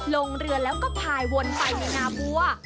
ลงเรือแล้วก็พายวนไปในนาบัว